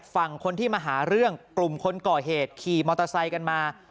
ฝั่งคนที่มาหาเรื่องกลุ่มคนก่อเหตุขี่มอเตอร์ไซค์กันมา